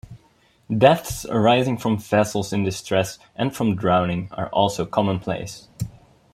Deaths arising from vessels in distress and from drowning are also commonplace.